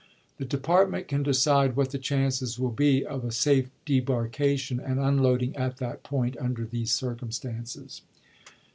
er"/ Mar ^ne department can decide what the chances will be of w2V8v' a sa^e debarkation and unloading at that point under i.', p. 211. ' these circumstances.